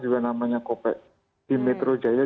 juga namanya covid di metro jaya